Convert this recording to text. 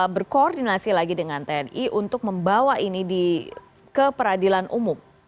berkoordinasi lagi dengan tni untuk membawa ini ke peradilan umum